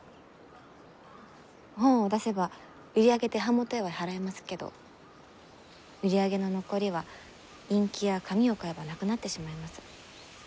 本を出せば売り上げで版元へは払えますけど売り上げの残りはインキや紙を買えばなくなってしまいます。